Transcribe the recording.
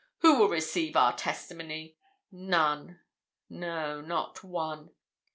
Who will receive our testimony? None no, not one.